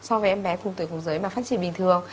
so với em bé cùng tuổi cùng giới mà phát triển bình thường